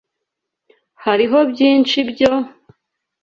Hariho byinshi byo